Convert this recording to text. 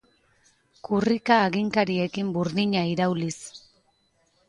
Kurrika haginkariekin burdina irauliz.